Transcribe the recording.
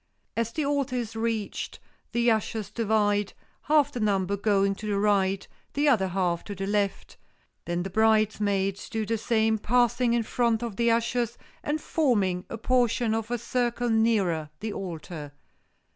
As the altar is reached the ushers divide, half the number going to the right, the other half to the left, then the bridesmaids do the same, passing in front of the ushers and forming a portion of a circle nearer the altar.